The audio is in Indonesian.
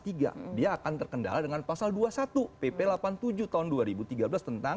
dia akan terkendala dengan pasal dua puluh satu pp delapan puluh tujuh tahun dua ribu tiga belas tentang